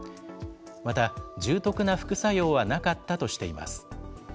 また、重篤な副作用はなかったとしています。